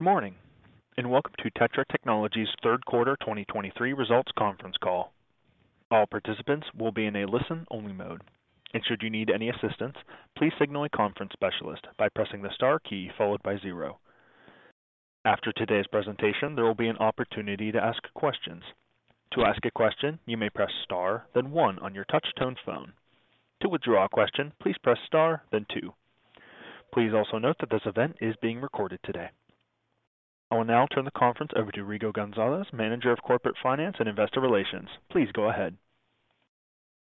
Good morning, and welcome to TETRA Technologies' Third Quarter 2023 Results Conference Call. All participants will be in a listen-only mode, and should you need any assistance, please signal a conference specialist by pressing the star key followed by zero. After today's presentation, there will be an opportunity to ask questions. To ask a question, you may press star, then one on your touchtone phone. To withdraw a question, please press star, then two. Please also note that this event is being recorded today. I will now turn the conference over to Rigo Gonzalez, Manager of Corporate Finance and Investor Relations. Please go ahead.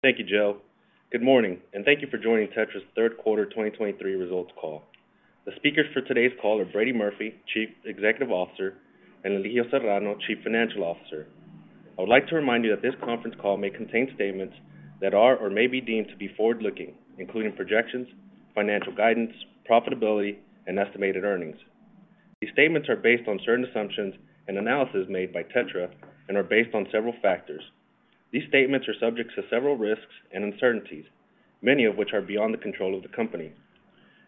Thank you, Joe. Good morning, and thank you for joining Tetra's Third Quarter 2023 Results Call. The speakers for today's call are Brady Murphy, Chief Executive Officer, and Elijio Serrano, Chief Financial Officer. I would like to remind you that this conference call may contain statements that are or may be deemed to be forward-looking, including projections, financial guidance, profitability, and estimated earnings. These statements are based on certain assumptions and analysis made by Tetra and are based on several factors. These statements are subject to several risks and uncertainties, many of which are beyond the control of the company.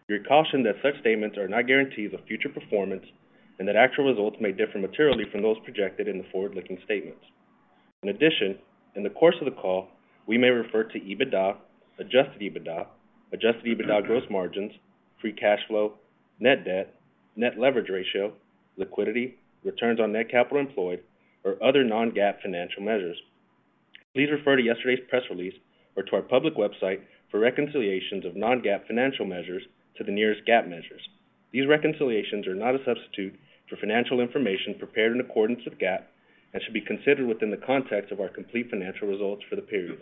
We caution that such statements are not guarantees of future performance and that actual results may differ materially from those projected in the forward-looking statements. In addition, in the course of the call, we may refer to EBITDA, adjusted EBITDA, adjusted EBITDA gross margins, free cash flow, net debt, net leverage ratio, liquidity, returns on net capital employed, or other non-GAAP financial measures. Please refer to yesterday's press release or to our public website for reconciliations of non-GAAP financial measures to the nearest GAAP measures. These reconciliations are not a substitute for financial information prepared in accordance with GAAP and should be considered within the context of our complete financial results for the period.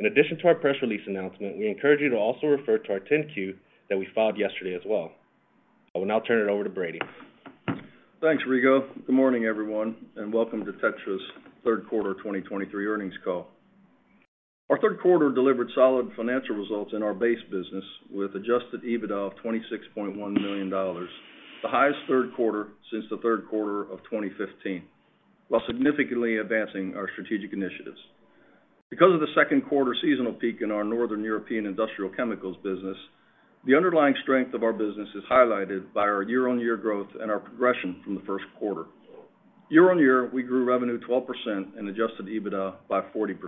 In addition to our press release announcement, we encourage you to also refer to our 10-Q that we filed yesterday as well. I will now turn it over to Brady. Thanks, Rigo. Good morning, everyone, and welcome to TETRA's Third Quarter 2023 earnings call. Our third quarter delivered solid financial results in our base business with Adjusted EBITDA of $26.1 million, the highest third quarter since the third quarter of 2015, while significantly advancing our strategic initiatives. Because of the second quarter seasonal peak in our Northern European industrial chemicals business, the underlying strength of our business is highlighted by our year-on-year growth and our progression from the first quarter. Year-on-year, we grew revenue 12% and Adjusted EBITDA by 40%.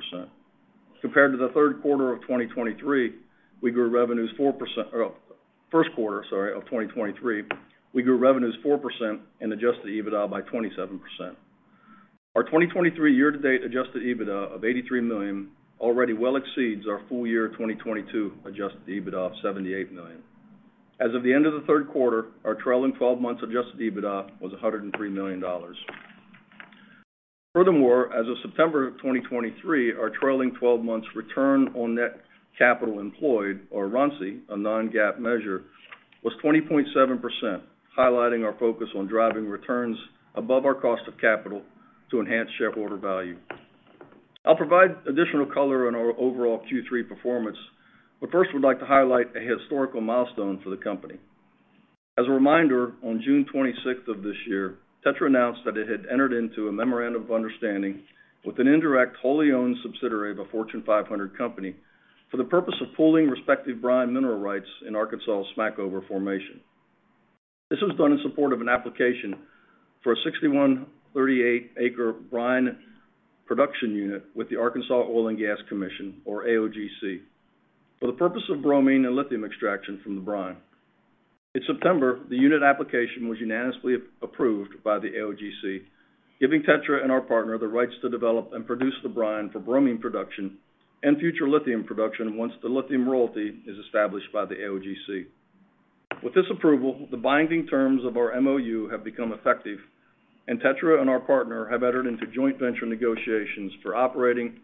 Compared to the third quarter of 2023, we grew revenues 4% or first quarter, sorry, of 2023, we grew revenues 4% and Adjusted EBITDA by 27%. Our 2023 year-to-date Adjusted EBITDA of $83 million already well exceeds our full year 2022 Adjusted EBITDA of $78 million. As of the end of the third quarter, our trailing twelve months adjusted EBITDA was $103 million. Furthermore, as of September 2023, our trailing twelve months return on net capital employed, or RONCE, a non-GAAP measure, was 20.7%, highlighting our focus on driving returns above our cost of capital to enhance shareholder value. I'll provide additional color on our overall Q3 performance, but first, we'd like to highlight a historical milestone for the company. As a reminder, on June 26th of this year, TETRA announced that it had entered into a memorandum of understanding with an indirect, wholly-owned subsidiary of a Fortune 500 company for the purpose of pooling respective brine mineral rights in Arkansas' Smackover Formation. This was done in support of an application for a 6,138-acre brine production unit with the Arkansas Oil and Gas Commission, or AOGC, for the purpose of bromine and lithium extraction from the brine. In September, the unit application was unanimously approved by the AOGC, giving Tetra and our partner the rights to develop and produce the brine for bromine production and future lithium production once the lithium royalty is established by the AOGC. With this approval, the binding terms of our MOU have become effective, and Tetra and our partner have entered into joint venture negotiations for operating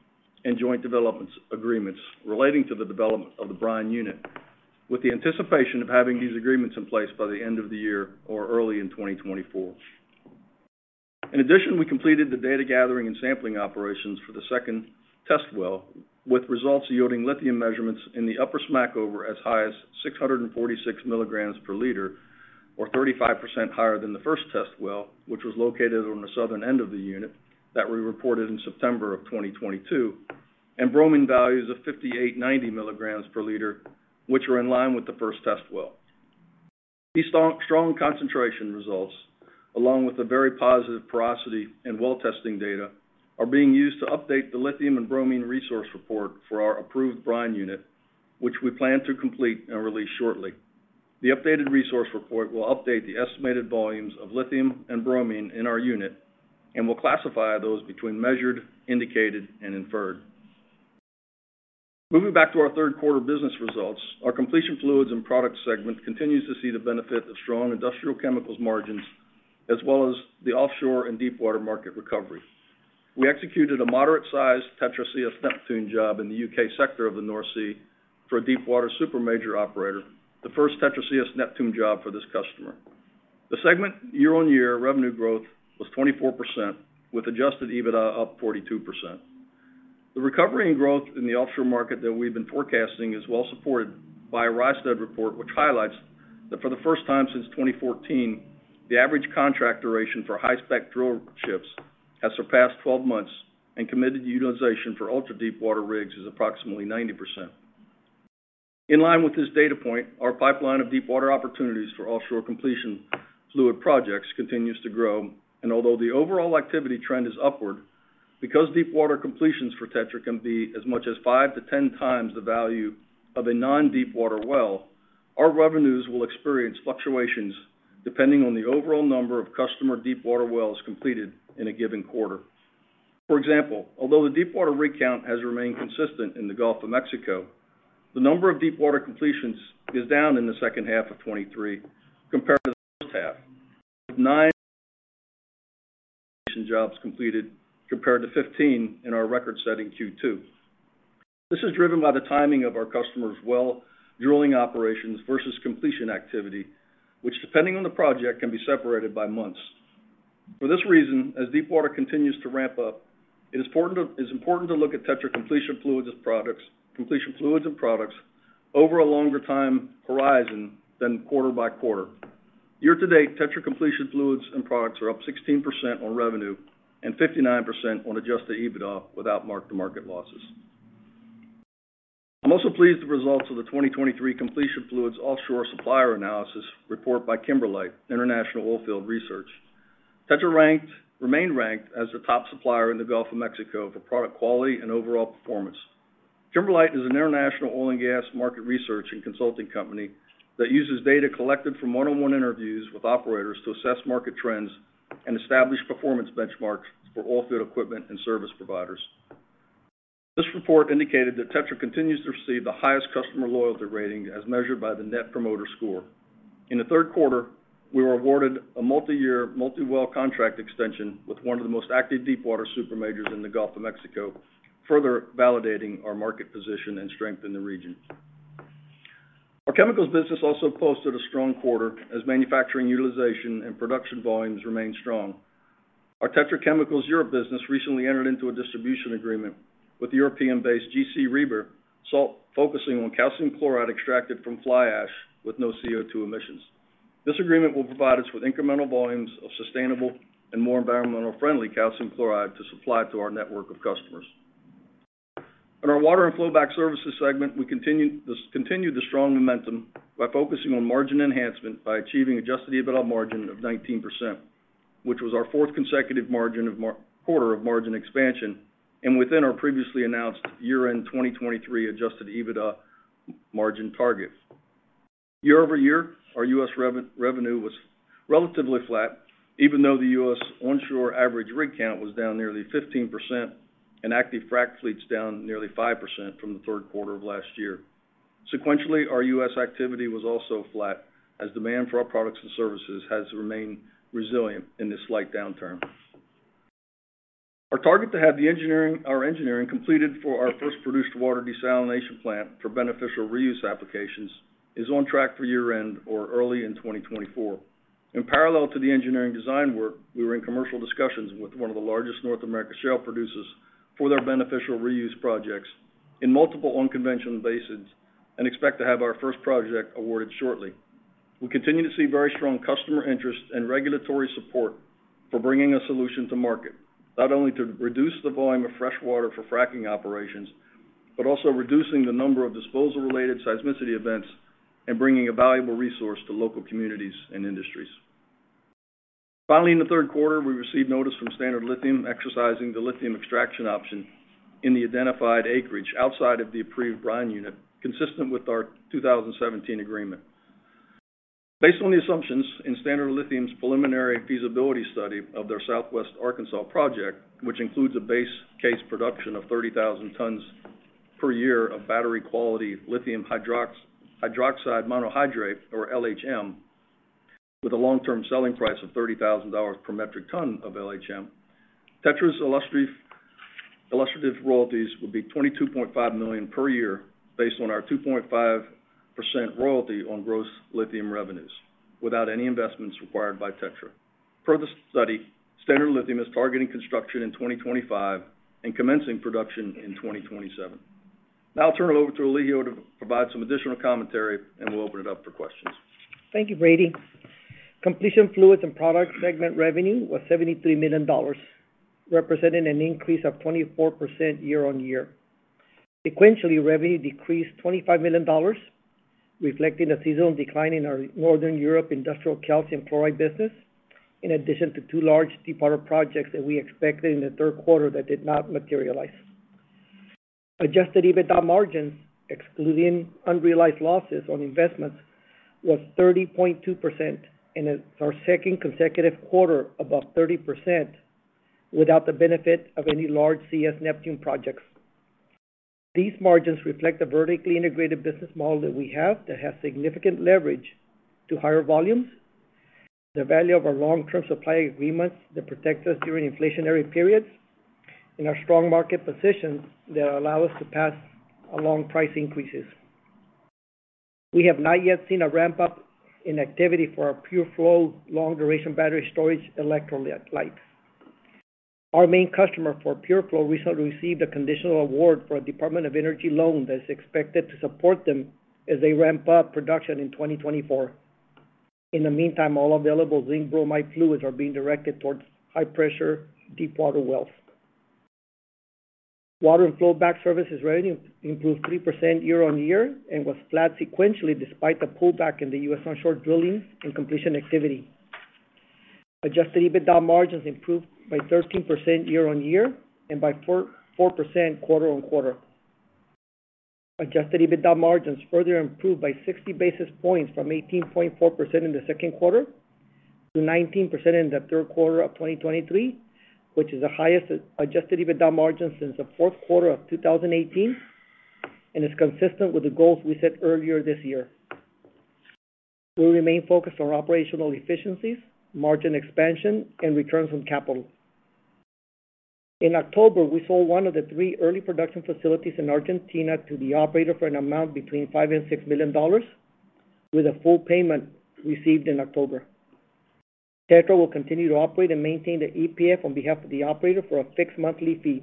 and joint developments agreements relating to the development of the brine unit, with the anticipation of having these agreements in place by the end of the year or early in 2024. In addition, we completed the data gathering and sampling operations for the second test well, with results yielding lithium measurements in the upper Smackover as high as 646 milligrams per liter, or 35% higher than the first test well, which was located on the southern end of the unit that we reported in September of 2022, and bromine values of 5,890 milligrams per liter, which are in line with the first test well. These strong concentration results, along with the very positive porosity and well-testing data, are being used to update the lithium and bromine resource report for our approved brine unit, which we plan to complete and release shortly. The updated resource report will update the estimated volumes of lithium and bromine in our unit and will classify those between measured, indicated, and inferred. Moving back to our third quarter business results, our completion fluids and product segment continues to see the benefit of strong industrial chemicals margins, as well as the offshore and deepwater market recovery. We executed a moderate-sized TETRA CS Neptune job in the U.K. sector of the North Sea for a deepwater super major operator, the first TETRA CS Neptune job for this customer. The segment year-on-year revenue growth was 24%, with Adjusted EBITDA up 42%. The recovery and growth in the offshore market that we've been forecasting is well supported by a Rystad report, which highlights that for the first time since 2014, the average contract duration for high spec drill ships has surpassed 12 months, and committed utilization for ultra-deepwater rigs is approximately 90%. In line with this data point, our pipeline of deepwater opportunities for offshore completion fluid projects continues to grow. Although the overall activity trend is upward, because deepwater completions for TETRA can be as much as 5-10x the value of a non-deepwater well, our revenues will experience fluctuations depending on the overall number of customer deepwater wells completed in a given quarter. For example, although the deepwater rig count has remained consistent in the Gulf of Mexico, the number of deepwater completions is down in the second half of 2023 compared to the first half, with nine completion jobs completed, compared to 15 in our record-setting Q2. This is driven by the timing of our customers' well drilling operations versus completion activity, which, depending on the project, can be separated by months. For this reason, as deepwater continues to ramp up, it is important to, it's important to look at TETRA completion fluids as products—completion fluids and products over a longer time horizon than quarter by quarter. Year to date, TETRA completion fluids and products are up 16% on revenue and 59% on Adjusted EBITDA without mark-to-market losses. I'm also pleased with the results of the 2023 Completion Fluids Offshore Supplier Analysis report by Kimberlite International Oilfield Research. TETRA ranked—remained ranked as the top supplier in the Gulf of Mexico for product quality and overall performance. Kimberlite is an international oil and gas market research and consulting company that uses data collected from one-on-one interviews with operators to assess market trends and establish performance benchmarks for oilfield equipment and service providers. This report indicated that TETRA continues to receive the highest customer loyalty rating, as measured by the Net Promoter Score. In the third quarter, we were awarded a multi-year, multi-well contract extension with one of the most active deepwater super majors in the Gulf of Mexico, further validating our market position and strength in the region. Our chemicals business also posted a strong quarter, as manufacturing utilization and production volumes remained strong. Our TETRA Chemicals Europe business recently entered into a distribution agreement with the European-based salt company GC Rieber focusing on calcium chloride extracted from fly ash with no CO2 emissions. This agreement will provide us with incremental volumes of sustainable and more environmentally friendly calcium chloride to supply to our network of customers. In our water and flowback services segment, we continued the strong momentum by focusing on margin enhancement, by achieving Adjusted EBITDA margin of 19%, which was our fourth consecutive quarter of margin expansion, and within our previously announced year-end 2023 Adjusted EBITDA margin target. Year-over-year, our U.S. revenue was relatively flat, even though the U.S. onshore average rig count was down nearly 15%, and active frac fleets down nearly 5% from the third quarter of last year. Sequentially, our U.S. activity was also flat, as demand for our products and services has remained resilient in this slight downturn. Our target to have our engineering completed for our first produced water desalination plant for beneficial reuse applications is on track for year-end or early in 2024. In parallel to the engineering design work, we were in commercial discussions with one of the largest North American shale producers for their beneficial reuse projects in multiple unconventional basins, and expect to have our first project awarded shortly. We continue to see very strong customer interest and regulatory support for bringing a solution to market, not only to reduce the volume of fresh water for fracking operations, but also reducing the number of disposal-related seismicity events and bringing a valuable resource to local communities and industries. Finally, in the third quarter, we received notice from Standard Lithium exercising the lithium extraction option in the identified acreage outside of the approved brine unit, consistent with our 2017 agreement. Based on the assumptions in Standard Lithium's preliminary feasibility study of their Southwest Arkansas project, which includes a base case production of 30,000 tons per year of battery quality lithium hydroxide monohydrate, or LHM, with a long-term selling price of $30,000 per metric ton of LHM. TETRA's illustrative royalties would be $22.5 million per year, based on our 2.5% royalty on gross lithium revenues, without any investments required by TETRA. Per the study, Standard Lithium is targeting construction in 2025 and commencing production in 2027. Now I'll turn it over to Elijio to provide some additional commentary, and we'll open it up for questions. Thank you, Brady. Completion fluids and products segment revenue was $73 million, representing an increase of 24% year-on-year. Sequentially, revenue decreased $25 million, reflecting a seasonal decline in our Northern Europe industrial calcium chloride business, in addition to two large deepwater projects that we expected in the third quarter that did not materialize. Adjusted EBITDA margins, excluding unrealized losses on investments, was 30.2%, and it's our second consecutive quarter above 30% without the benefit of any large CS Neptune projects. These margins reflect the vertically integrated business model that we have, that has significant leverage to higher volumes, the value of our long-term supply agreements that protect us during inflationary periods, and our strong market position that allow us to pass along price increases. We have not yet seen a ramp-up in activity for our PureFlow long-duration battery storage electrolyte life. Our main customer for PureFlow recently received a conditional award for a Department of Energy loan that is expected to support them as they ramp up production in 2024. In the meantime, all available zinc bromide fluids are being directed towards high-pressure deepwater wells. Water and flowback services revenue improved 3% year-on-year and was flat sequentially, despite the pullback in the U.S. onshore drilling and completion activity. Adjusted EBITDA margins improved by 13% year-on-year and by 4.4% quarter-on-quarter. Adjusted EBITDA margins further improved by 60 basis points from 18.4% in the second quarter to 19% in the third quarter of 2023, which is the highest adjusted EBITDA margin since the fourth quarter of 2018, and is consistent with the goals we set earlier this year. We remain focused on operational efficiencies, margin expansion, and returns on capital. In October, we sold one of the three early production facilities in Argentina to the operator for an amount between $5 million and $6 million, with a full payment received in October. TETRA will continue to operate and maintain the EPF on behalf of the operator for a fixed monthly fee.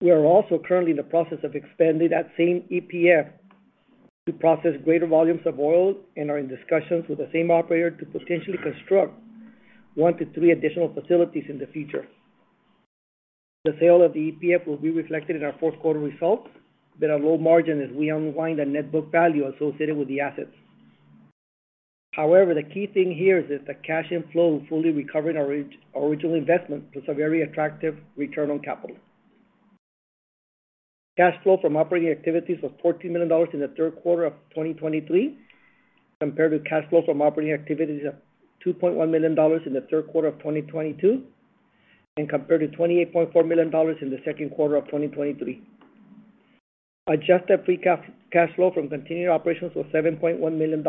We are also currently in the process of expanding that same EPF to process greater volumes of oil and are in discussions with the same operator to potentially construct one to three additional facilities in the future. The sale of the EPF will be reflected in our fourth quarter results, but at low margin as we unwind the net book value associated with the assets. However, the key thing here is that the cash inflow will fully recover our our original investment, plus a very attractive return on capital. Cash flow from operating activities was $14 million in the third quarter of 2023, compared to cash flow from operating activities of $2.1 million in the third quarter of 2022, and compared to $28.4 million in the second quarter of 2023. Adjusted free cash, cash flow from continuing operations was $7.1 million.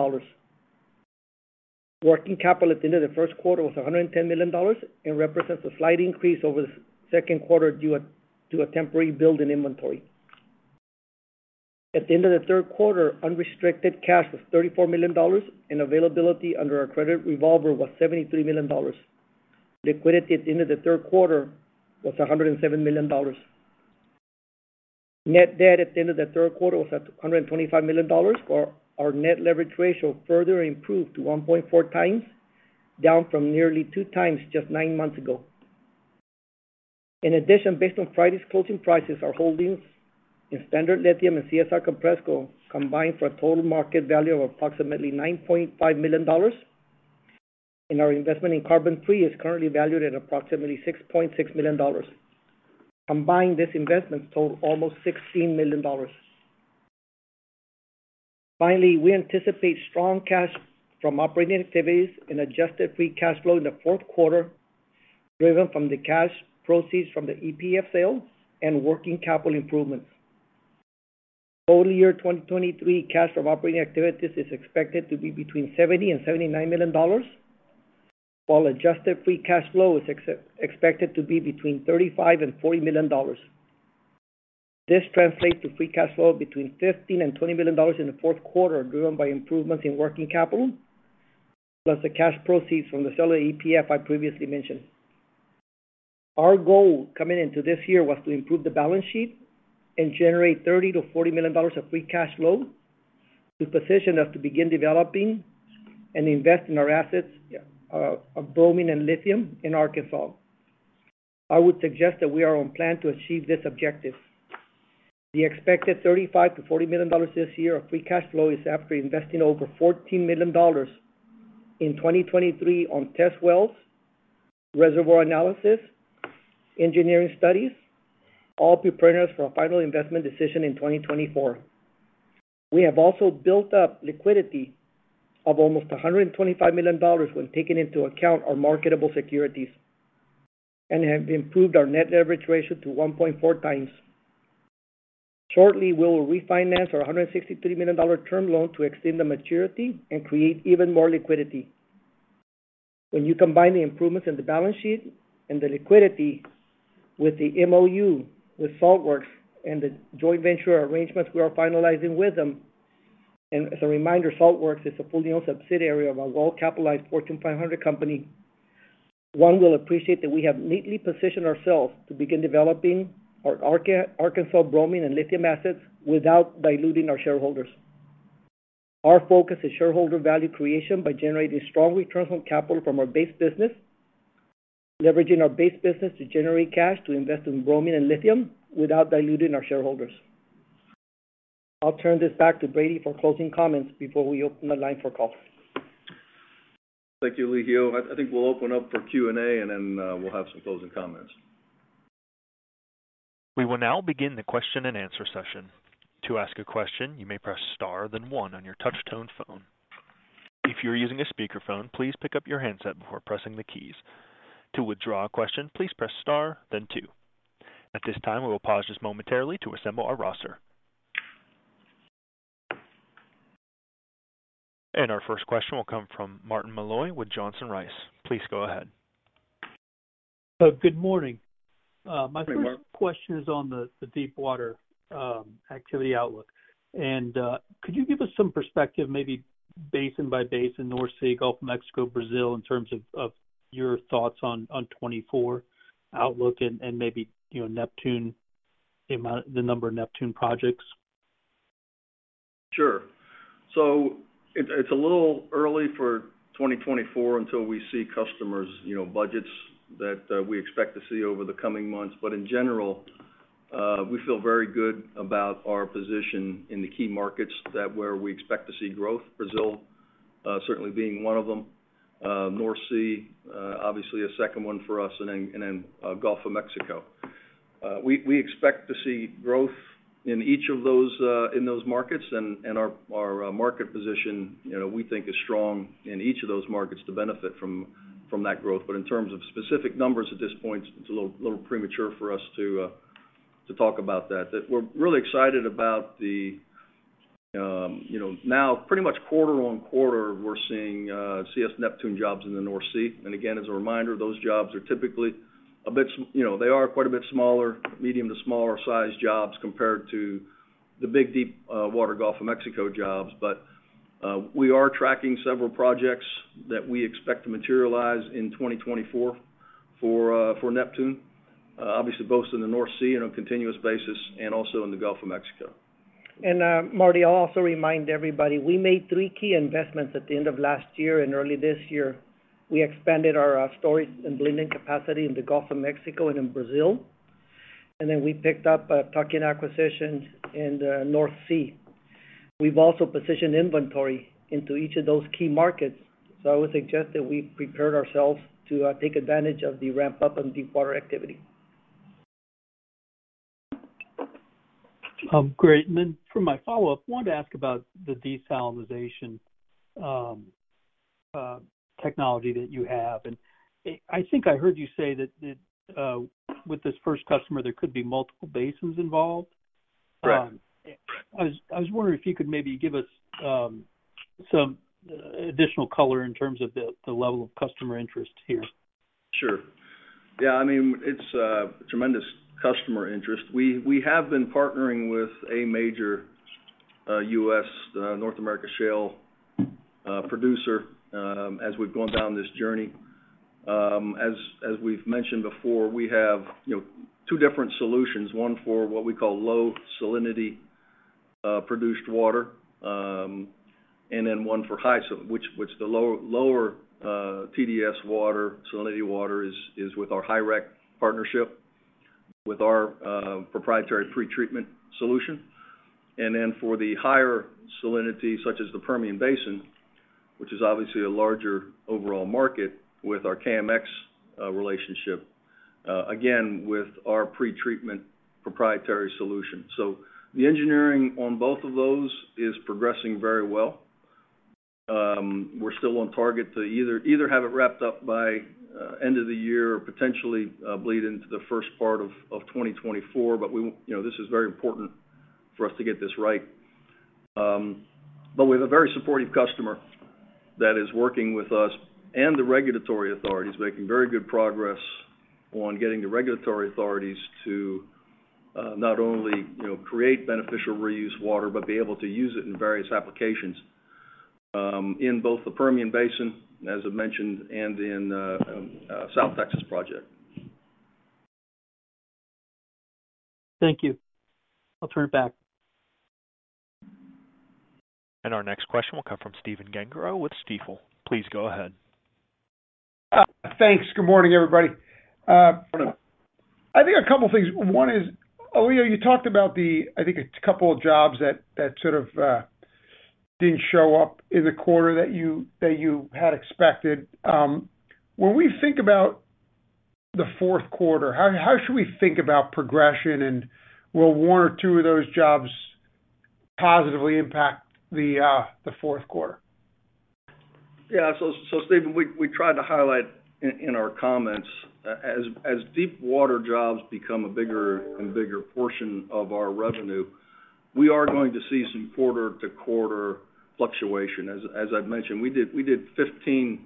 Working capital at the end of the first quarter was $110 million and represents a slight increase over the second quarter due to a temporary build in inventory. At the end of the third quarter, unrestricted cash was $34 million, and availability under our credit revolver was $73 million. Liquidity at the end of the third quarter was $107 million. Net debt at the end of the third quarter was at $225 million, our net leverage ratio further improved to 1.4x, down from nearly 2x just 9 months ago. In addition, based on Friday's closing prices, our holdings in Standard Lithium and CSI Compressco combined for a total market value of approximately $9.5 million, and our investment in CarbonFree is currently valued at approximately $6.6 million. Combined, these investments total almost $16 million. Finally, we anticipate strong cash from operating activities and adjusted free cash flow in the fourth quarter, driven from the cash proceeds from the EPF sale and working capital improvements. Total year 2023 cash from operating activities is expected to be between $70 million and $79 million, while adjusted free cash flow is expected to be between $35 million and $40 million. This translates to free cash flow between $15 million and $20 million in the fourth quarter, driven by improvements in working capital, plus the cash proceeds from the sale of EPF I previously mentioned. Our goal coming into this year was to improve the balance sheet and generate $30 million-$40 million of free cash flow, to position us to begin developing and invest in our assets of bromine and lithium in Arkansas. I would suggest that we are on plan to achieve this objective. The expected $35 million-$40 million this year of free cash flow is after investing over $14 million in 2023 on test wells, reservoir analysis, engineering studies, all preparedness for a final investment decision in 2024. We have also built up liquidity of almost $125 million when taking into account our marketable securities, and have improved our net leverage ratio to 1.4x. Shortly, we will refinance our $163 million term loan to extend the maturity and create even more liquidity. When you combine the improvements in the balance sheet and the liquidity with the MOU, with Saltwerx and the joint venture arrangements we are finalizing with them. And as a reminder, Saltwerx is a wholly-owned subsidiary of a well-capitalized Fortune 500 company. One will appreciate that we have neatly positioned ourselves to begin developing our Arkansas bromine and lithium assets without diluting our shareholders. Our focus is shareholder value creation by generating strong returns on capital from our base business, leveraging our base business to generate cash to invest in bromine and lithium without diluting our shareholders. I'll turn this back to Brady for closing comments before we open the line for calls. Thank you, Leo. I think we'll open up for Q&A, and then we'll have some closing comments. We will now begin the question-and-answer session. To ask a question, you may press star then one on your touchtone phone. If you're using a speakerphone, please pick up your handset before pressing the keys. To withdraw a question, please press star then two. At this time, we will pause just momentarily to assemble our roster. Our first question will come from Martin Molloy with Johnson Rice. Please go ahead. Good morning. My first- Hey, Mark. The question is on the deepwater activity outlook. Could you give us some perspective, maybe basin by basin, North Sea, Gulf of Mexico, Brazil, in terms of your thoughts on the 2024 outlook and maybe, you know, Neptune, the amount, the number of Neptune projects? ...So it's a little early for 2024 until we see customers' budgets that we expect to see over the coming months. But in general, we feel very good about our position in the key markets where we expect to see growth. Brazil certainly being one of them. North Sea obviously a second one for us, and then Gulf of Mexico. We expect to see growth in each of those markets, and our market position, you know, we think is strong in each of those markets to benefit from that growth. But in terms of specific numbers, at this point, it's a little premature for us to talk about that. But we're really excited about the, you know, now pretty much quarter-over-quarter, we're seeing CS Neptune jobs in the North Sea. And again, as a reminder, those jobs are typically a bit you know, they are quite a bit smaller, medium to smaller sized jobs compared to the big, deep-water Gulf of Mexico jobs. But, we are tracking several projects that we expect to materialize in 2024 for, for Neptune. Obviously, both in the North Sea on a continuous basis and also in the Gulf of Mexico. And, Marty, I'll also remind everybody, we made three key investments at the end of last year and early this year. We expanded our storage and blending capacity in the Gulf of Mexico and in Brazil, and then we picked up a tuck-in acquisition in the North Sea. We've also positioned inventory into each of those key markets, so I would suggest that we've prepared ourselves to take advantage of the ramp-up in deepwater activity. Great. And then for my follow-up, I wanted to ask about the desalination technology that you have. And I think I heard you say that with this first customer, there could be multiple basins involved? Correct. I was wondering if you could maybe give us some additional color in terms of the level of customer interest here. Sure. Yeah, I mean, it's tremendous customer interest. We have been partnering with a major U.S. North America shale producer as we've gone down this journey. As we've mentioned before, we have, you know, two different solutions, one for what we call low salinity produced water, and then one for high salinity—which the lower TDS water, salinity water is with our Hyrec partnership, with our proprietary pretreatment solution. And then, for the higher salinity, such as the Permian Basin, which is obviously a larger overall market, with our KMX relationship, again, with our pretreatment proprietary solution. So the engineering on both of those is progressing very well. We're still on target to either have it wrapped up by end of the year or potentially bleed into the first part of 2024. But you know, this is very important for us to get this right. But we have a very supportive customer that is working with us and the regulatory authorities, making very good progress on getting the regulatory authorities to not only, you know, create beneficial reuse water, but be able to use it in various applications in both the Permian Basin, as I mentioned, and in South Texas project. Thank you. I'll turn it back. Our next question will come from Stephen Gengaro with Stifel. Please go ahead. Thanks. Good morning, everybody. I think a couple of things. One is, Elijio, you talked about the... I think a couple of jobs that, that sort of, didn't show up in the quarter that you, that you had expected. When we think about the fourth quarter, how should we think about progression, and will one or two of those jobs positively impact the fourth quarter? Yeah. So, Stephen, we tried to highlight in our comments, as deepwater jobs become a bigger and bigger portion of our revenue, we are going to see some quarter-to-quarter fluctuation. As I've mentioned, we did 15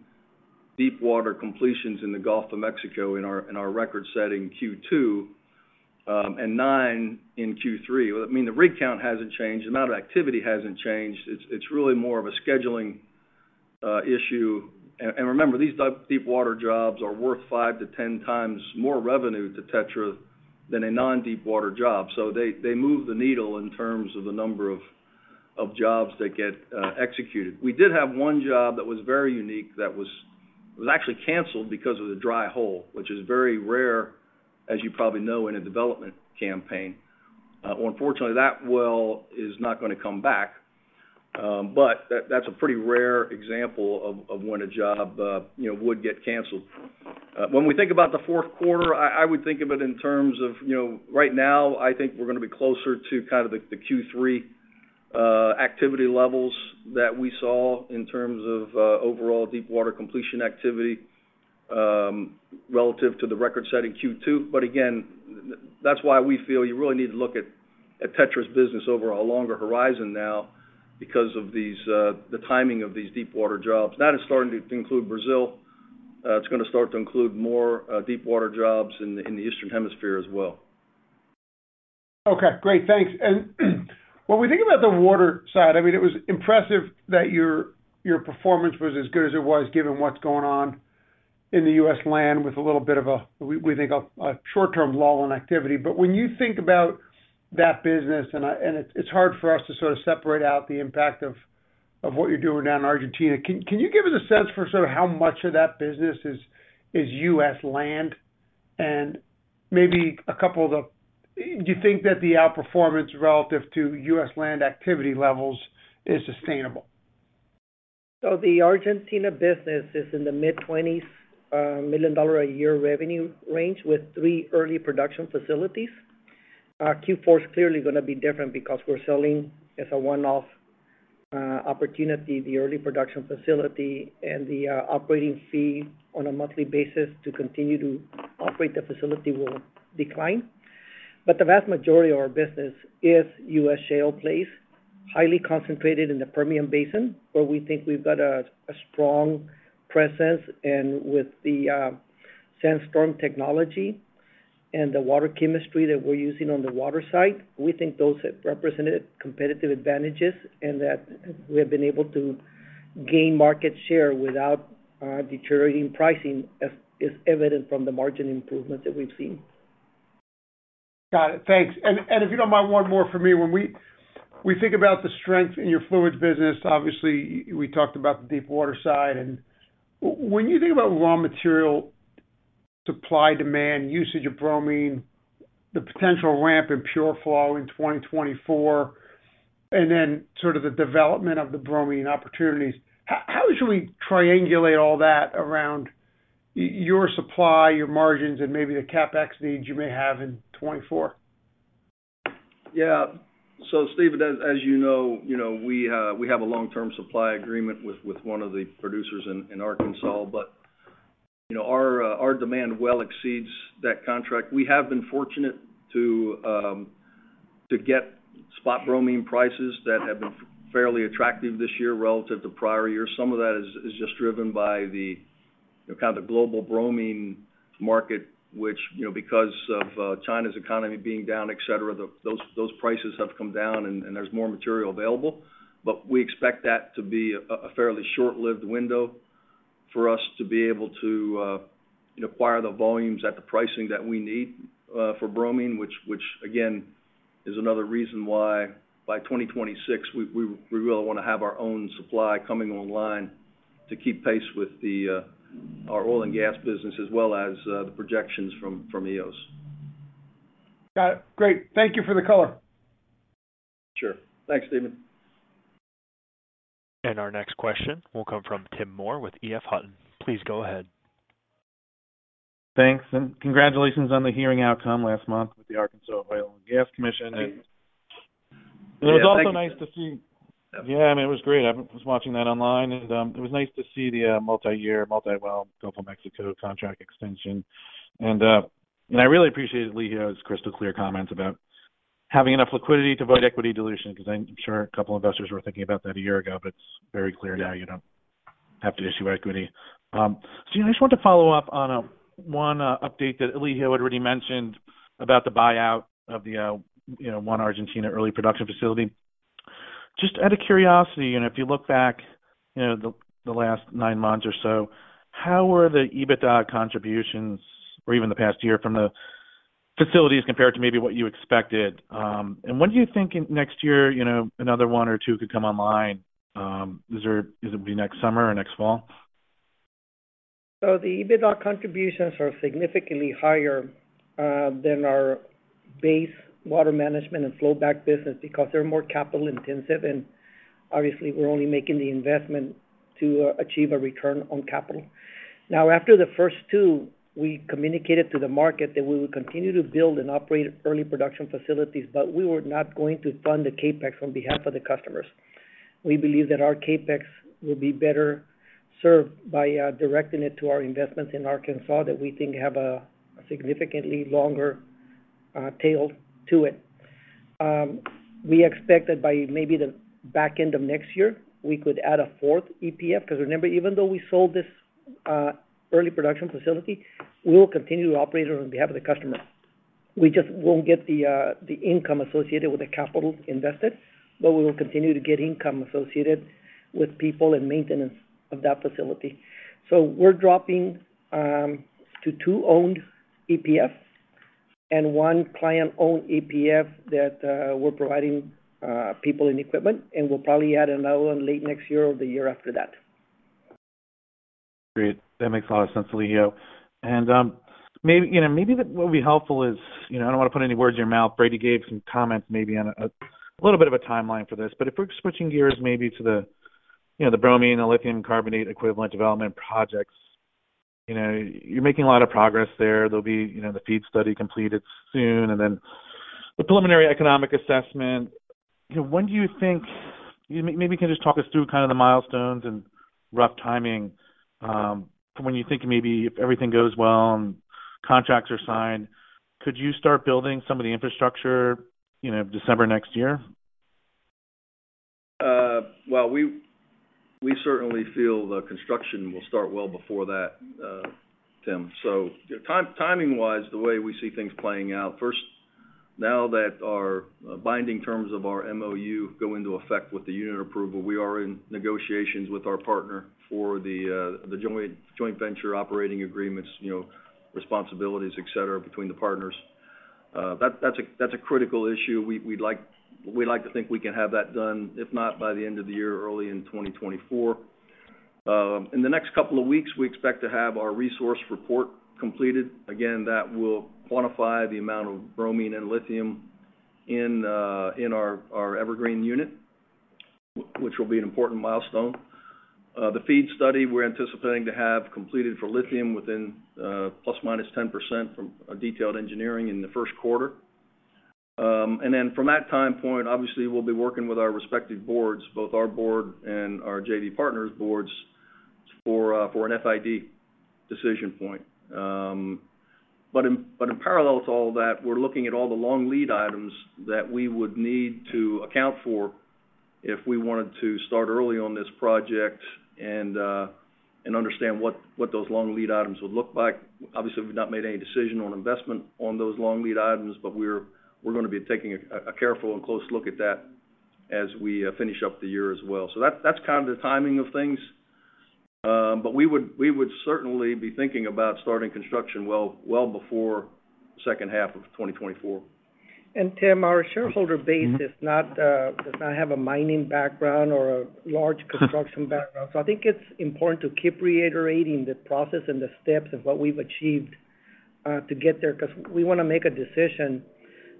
deepwater completions in the Gulf of Mexico in our record-setting Q2, and 9 in Q3. Well, I mean, the rig count hasn't changed, the amount of activity hasn't changed. It's really more of a scheduling issue. And remember, these deepwater jobs are worth 5-10x more revenue to Tetra than a non-deepwater job. So they move the needle in terms of the number of jobs that get executed. We did have one job that was very unique that was actually canceled because of the dry hole, which is very rare, as you probably know, in a development campaign. Unfortunately, that well is not gonna come back. But that, that's a pretty rare example of when a job, you know, would get canceled. When we think about the fourth quarter, I would think of it in terms of, you know, right now, I think we're gonna be closer to kind of the Q3 activity levels that we saw in terms of overall deepwater completion activity, relative to the record-setting Q2. But again, that's why we feel you really need to look at TETRA's business over a longer horizon now, because of these, the timing of these deepwater jobs. That is starting to include Brazil. It's gonna start to include more deepwater jobs in the Eastern Hemisphere as well. Okay, great. Thanks. And when we think about the water side, I mean, it was impressive that your, your performance was as good as it was, given what's going on in the U.S. land with a little bit of a, we, we think, a, a short-term lull in activity. But when you think about that business, and I- and it's, it's hard for us to sort of separate out the impact of, of what you're doing down in Argentina. Can, can you give us a sense for sort of how much of that business is, is U.S. land? And maybe a couple of the- do you think that the outperformance relative to U.S. land activity levels is sustainable? So the Argentina business is in the mid-$20s million a year revenue range, with three early production facilities. Q4 is clearly gonna be different because we're selling as a one-off opportunity, the early production facility and the operating fee on a monthly basis to continue to operate the facility will decline. But the vast majority of our business is U.S. shale plays, highly concentrated in the Permian Basin, where we think we've got a strong presence. And with the Sandstorm technology and the water chemistry that we're using on the water side, we think those have represented competitive advantages and that we have been able to gain market share without deteriorating pricing, as is evident from the margin improvements that we've seen. Got it. Thanks. And if you don't mind, one more for me. When we think about the strength in your fluids business, obviously, we talked about the deepwater side. And when you think about raw material supply, demand, usage of bromine, the potential ramp in PureFlow in 2024, and then sort of the development of the bromine opportunities, how should we triangulate all that around your supply, your margins, and maybe the CapEx needs you may have in 2024? Yeah. So Stephen, as you know, you know, we have a long-term supply agreement with one of the producers in Arkansas. But, you know, our demand well exceeds that contract. We have been fortunate to get spot bromine prices that have been fairly attractive this year relative to prior years. Some of that is just driven by the, you know, kind of the global bromine market, which, you know, because of China's economy being down, et cetera, those prices have come down and there's more material available. But we expect that to be a fairly short-lived window for us to be able to, you know, acquire the volumes at the pricing that we need, for bromine, which again, is another reason why by 2026, we really want to have our own supply coming online to keep pace with the, our oil and gas business, as well as, the projections from EOS. Got it. Great. Thank you for the color. Sure. Thanks, Stephen. Our next question will come from Tim Moore with E.F. Hutton. Please go ahead. Thanks, and congratulations on the hearing outcome last month with the Arkansas Oil and Gas Commission. Yeah, thank you. It was also nice to see. Yeah, I mean, it was great. I was watching that online, and it was nice to see the multi-year, multi-well Gulf of Mexico contract extension. And I really appreciated Leo's crystal clear comments about having enough liquidity to avoid equity dilution, because I'm sure a couple investors were thinking about that a year ago, but it's very clear now you don't have to issue equity. So I just want to follow up on one update that Leo had already mentioned about the buyout of the, you know, one Argentina early production facility. Just out of curiosity, you know, if you look back, you know, the last nine months or so, how were the EBITDA contributions, or even the past year, from the facilities compared to maybe what you expected? When do you think in next year, you know, another one or two could come online? Does it be next summer or next fall? So the EBITDA contributions are significantly higher than our base water management and flowback business because they're more capital intensive, and obviously, we're only making the investment to achieve a return on capital. Now, after the first two, we communicated to the market that we would continue to build and operate early production facilities, but we were not going to fund the CapEx on behalf of the customers. We believe that our CapEx will be better served by directing it to our investments in Arkansas, that we think have a significantly longer tail to it. We expect that by maybe the back end of next year, we could add a fourth EPF, because remember, even though we sold this early production facility, we will continue to operate it on behalf of the customer. We just won't get the income associated with the capital invested, but we will continue to get income associated with people and maintenance of that facility. So we're dropping to two owned EPFs and one client-owned EPF that we're providing people and equipment, and we'll probably add another one late next year or the year after that. Great. That makes a lot of sense, Elijio. And maybe what would be helpful is, you know, I don't want to put any words in your mouth. Brady gave some comments maybe on a little bit of a timeline for this. But if we're switching gears maybe to the, you know, the bromine, the lithium carbonate equivalent development projects, you know, you're making a lot of progress there. There'll be, you know, the FEED study completed soon, and then the Preliminary Economic Assessment. You know, when do you think, maybe you can just talk us through kind of the milestones and rough timing, when you think maybe if everything goes well and contracts are signed, could you start building some of the infrastructure, you know, December next year? Well, we certainly feel the construction will start well before that, Tim. So timing-wise, the way we see things playing out, now that our binding terms of our MOU go into effect with the unit approval, we are in negotiations with our partner for the joint venture operating agreements, you know, responsibilities, et cetera, between the partners. That's a critical issue. We'd like to think we can have that done, if not by the end of the year, early in 2024. In the next couple of weeks, we expect to have our resource report completed. Again, that will quantify the amount of bromine and lithium in our Evergreen unit, which will be an important milestone. The FEED study, we're anticipating to have completed for lithium within ±10% from a detailed engineering in the first quarter. Then from that time point, obviously, we'll be working with our respective boards, both our board and our JV partners' boards, for an FID decision point. But in parallel to all that, we're looking at all the long lead items that we would need to account for if we wanted to start early on this project and understand what those long lead items would look like. Obviously, we've not made any decision on investment on those long lead items, but we're gonna be taking a careful and close look at that as we finish up the year as well. That's kind of the timing of things. But we would certainly be thinking about starting construction well before second half of 2024. Tim, our shareholder base- Mm-hmm... is not, does not have a mining background or a large construction background. So I think it's important to keep reiterating the process and the steps of what we've achieved, to get there, because we wanna make a decision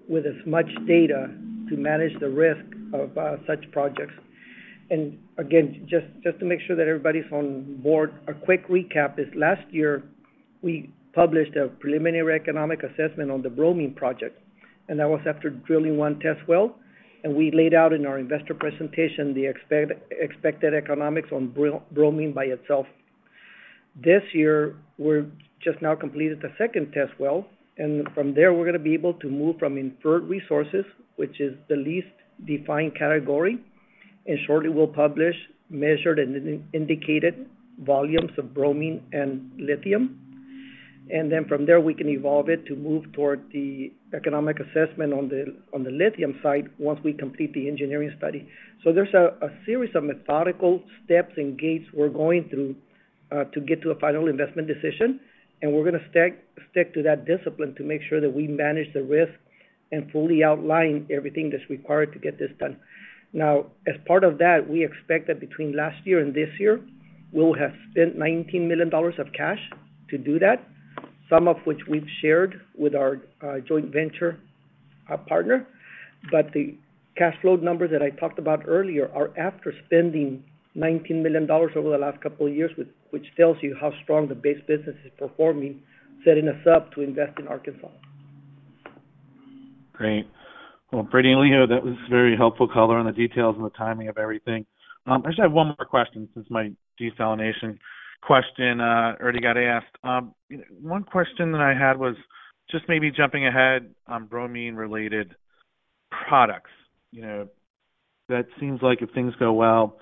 with as much data to manage the risk of such projects. And again, just to make sure that everybody's on board, a quick recap is last year, we published a Preliminary Economic Assessment on the bromine project, and that was after drilling one test well. And we laid out in our investor presentation the expected economics on bromine by itself. This year, we're just now completed the second test well, and from there, we're gonna be able to move from inferred resources, which is the least defined category, and shortly we'll publish measured and indicated volumes of bromine and lithium. And then from there, we can evolve it to move toward the economic assessment on the, on the lithium side once we complete the engineering study. So there's a, a series of methodical steps and gates we're going through to get to a final investment decision, and we're gonna stick, stick to that discipline to make sure that we manage the risk and fully outline everything that's required to get this done. Now, as part of that, we expect that between last year and this year, we'll have spent $19 million of cash to do that, some of which we've shared with our joint venture partner. But the cash flow numbers that I talked about earlier are after spending $19 million over the last couple of years, which, which tells you how strong the base business is performing, setting us up to invest in Arkansas. Great. Well, Brady and Leo, that was very helpful color on the details and the timing of everything. I just have one more question since my desalination question already got asked. One question that I had was just maybe jumping ahead on bromine-related products. You know, that seems like if things go well,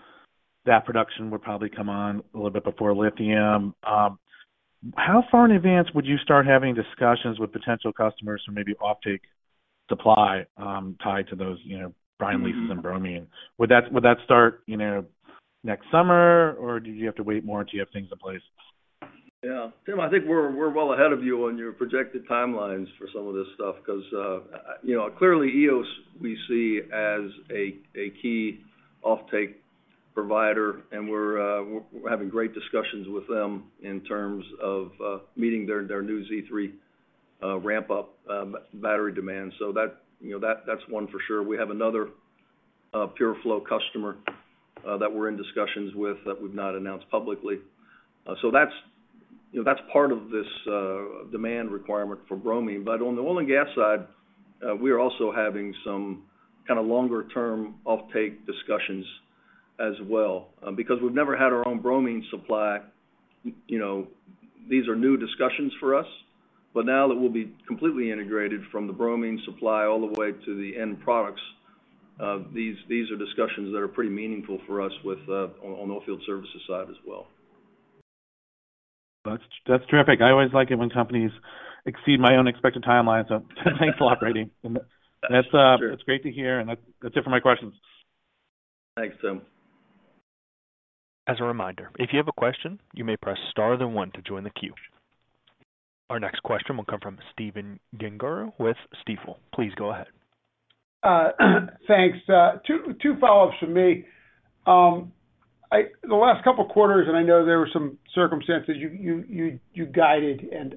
that production would probably come on a little bit before lithium. How far in advance would you start having discussions with potential customers for maybe offtake supply, tied to those, you know- Mm-hmm... brine leases and bromine? Would that, would that start, you know, next summer, or do you have to wait more until you have things in place? Yeah. Tim, I think we're well ahead of you on your projected timelines for some of this stuff, because, you know, clearly, Eos we see as a key offtake provider, and we're having great discussions with them in terms of meeting their new Z3 ramp up battery demand. So that, you know, that's one for sure. We have another PureFlow customer that we're in discussions with that we've not announced publicly. So that's, you know, that's part of this demand requirement for bromine. But on the oil and gas side, we are also having some kind of longer term offtake discussions as well. Because we've never had our own bromine supply, you know, these are new discussions for us, but now that we'll be completely integrated from the bromine supply all the way to the end products, these are discussions that are pretty meaningful for us with, on oil field services side as well. That's, that's terrific. I always like it when companies exceed my own expected timelines, so thanks a lot, Brady. Sure. That's, that's great to hear, and that's, that's it for my questions. Thanks, Tim. As a reminder, if you have a question, you may press star then one to join the queue. Our next question will come from Stephen Gengaro with Stifel. Please go ahead. Thanks. Two follow-ups from me. The last couple of quarters, and I know there were some circumstances, you guided, and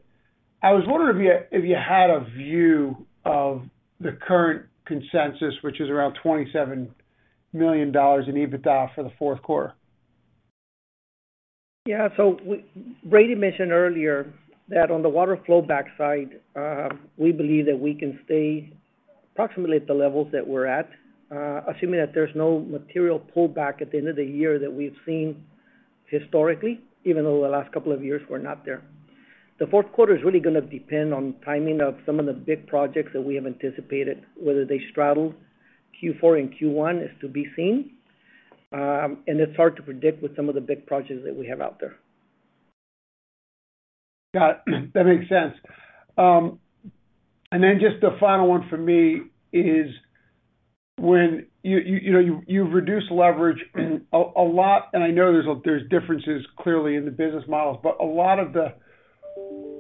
I was wondering if you had a view of the current consensus, which is around $27 million in EBITDA for the fourth quarter. Yeah. So Brady mentioned earlier that on the water flowback side, we believe that we can stay approximately at the levels that we're at, assuming that there's no material pullback at the end of the year that we've seen historically, even though the last couple of years were not there. The fourth quarter is really gonna depend on timing of some of the big projects that we have anticipated. Whether they straddle Q4 and Q1 is to be seen, and it's hard to predict with some of the big projects that we have out there.... Got it. That makes sense. And then just the final one for me is when you know you've reduced leverage and a lot—and I know there's differences, clearly, in the business models, but a lot of the,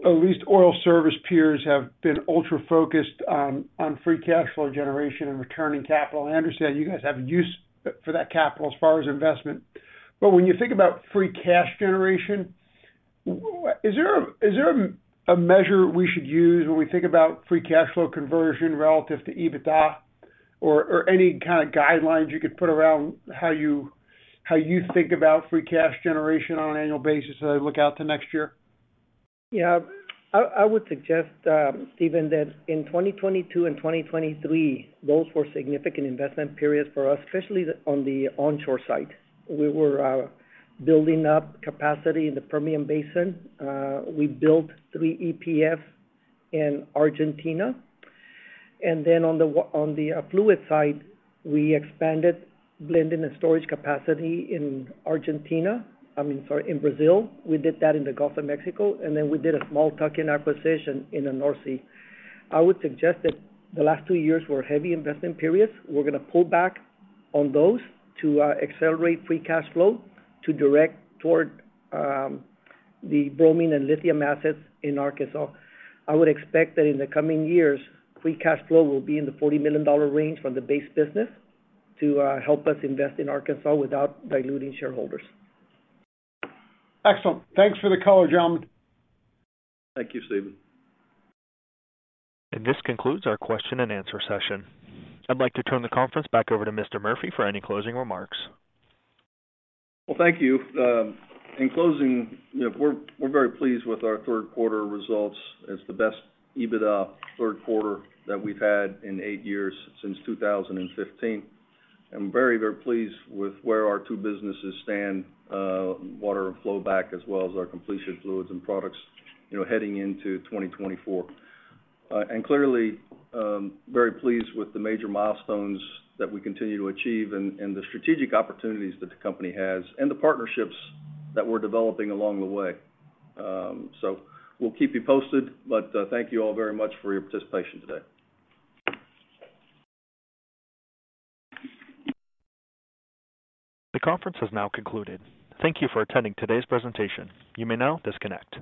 at least oil service peers, have been ultra-focused on free cash flow generation and returning capital. I understand you guys have a use for that capital as far as investment. But when you think about free cash generation, is there a measure we should use when we think about free cash flow conversion relative to EBITDA? Or any kind of guidelines you could put around how you think about free cash generation on an annual basis as I look out to next year? Yeah. I would suggest, Stephen, that in 2022 and 2023, those were significant investment periods for us, especially on the onshore site. We were building up capacity in the Permian Basin. We built 3 EPF in Argentina, and then on the fluid side, we expanded blending and storage capacity in Argentina. I mean, sorry, in Brazil. We did that in the Gulf of Mexico, and then we did a small tuck-in acquisition in the North Sea. I would suggest that the last two years were heavy investment periods. We're going to pull back on those to accelerate free cash flow, to direct toward the bromine and lithium assets in Arkansas. I would expect that in the coming years, free cash flow will be in the $40 million range from the base business to help us invest in Arkansas without diluting shareholders. Excellent. Thanks for the call, gentlemen. Thank you, Stephen. This concludes our question and answer session. I'd like to turn the conference back over to Mr. Murphy for any closing remarks. Well, thank you. In closing, you know, we're, we're very pleased with our third quarter results. It's the best EBITDA third quarter that we've had in eight years, since 2015. I'm very, very pleased with where our two businesses stand, water and flowback, as well as our completion fluids and products, you know, heading into 2024. And clearly, very pleased with the major milestones that we continue to achieve and, and the strategic opportunities that the company has and the partnerships that we're developing along the way. So we'll keep you posted, but, thank you all very much for your participation today. The conference has now concluded. Thank you for attending today's presentation. You may now disconnect.